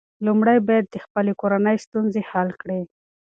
لومړی باید د خپلې کورنۍ ستونزې حل کړې.